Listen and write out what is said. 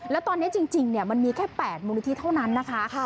แล้วตอนนี้จริงมันมีแค่๘มูลนิธิเท่านั้นนะคะ